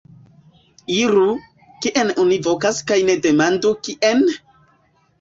Iru, kien oni vokas kaj ne demandu: kien?